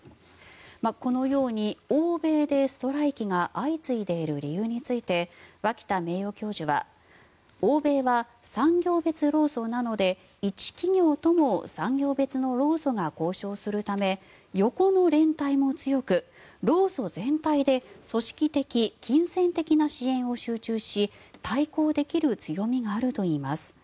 このように欧米でストライキが相次いでいる理由について脇田名誉教授は欧米は産業別労組なので１企業とも産業別の労組が交渉するため横の連帯も強く、労組全体で組織的・金銭的な支援を集中し対抗できる強みがあるといいます。